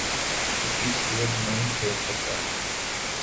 کسی صورت نہیں کھل سکتا